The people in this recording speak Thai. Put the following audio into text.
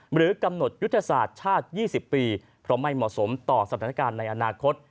หรือกำหนดยุทธศาสตร์ชาติ๒๐ปีเพราะไม่เหมาะสมต่อสถานการณ์ในอนาคต